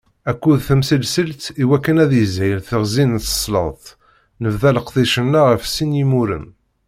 Akked temsislit i wakken ad yishil tegzi n tesleḍt, nebḍa leqdic-nneɣ ɣef sin yimuren.